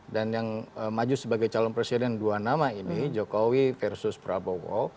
dan yang maju sebagai calon presiden dua nama ini jokowi versus prabowo